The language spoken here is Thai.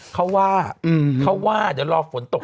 เขาว่าเขาว่าเดี๋ยวรอฝนตก